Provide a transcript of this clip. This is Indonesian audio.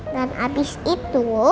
dan abis itu